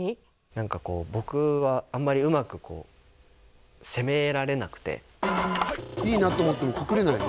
何かこう僕はあんまりうまく攻められなくていいなって思っても告れないの？